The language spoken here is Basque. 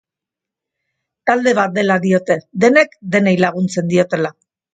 Talde bat dela diote, denek denei laguntzen diotela.